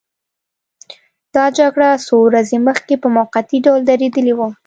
دا جګړه څو ورځې مخکې په موقتي ډول درېدلې وه.